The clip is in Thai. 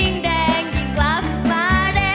นุ่มกระชุ่มกระช่วย